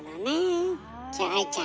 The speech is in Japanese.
じゃあ愛ちゃん